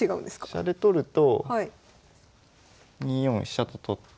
飛車で取ると２四飛車と取って。